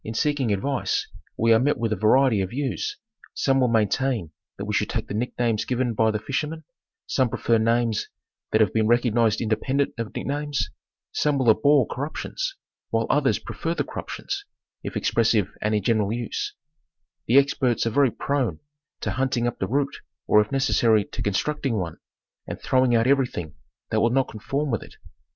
In seeking advice we are met with a variety of views ; some will maintain that we should take the nick names given by the fish ermen ; some prefer names that have been recognized independ ent of nick names; some will abhor corruptions, while others prefer the corruptions, if expressive and in general use: The ex perts are very prone to hunting up the root, or, if necessary, to constructing one, and throwing out everything that will not con form with it.